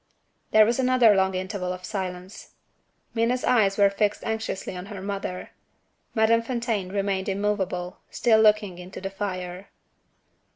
There was another long interval of silence. Minna's eyes were fixed anxiously on her mother. Madame Fontaine remained immovable, still looking into the fire.